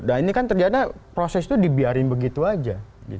dan ini kan terjadi proses itu dibiarin begitu saja